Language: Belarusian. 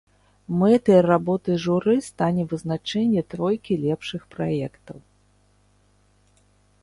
Мэтай работы журы стане вызначэнне тройкі лепшых праектаў.